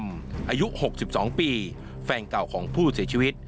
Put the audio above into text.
อายุ๖๒ปีแฟนเก่าของผู้เสียชีวิต